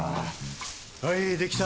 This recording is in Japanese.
はいできた。